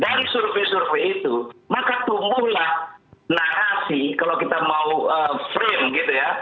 dari survei survei itu maka tumbuhlah narasi kalau kita mau frame gitu ya